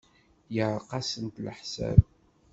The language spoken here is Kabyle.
Yeɛreq-asent leḥsab.